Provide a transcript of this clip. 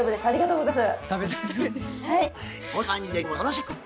ありがとうございます。